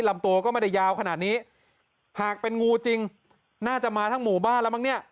ลำตัวก็ไม่ได้ยาวขนาดนี้หากเป็นงูจริงน่าจะมาทั้งหมู่บ้านแล้วมั้งเนี่ย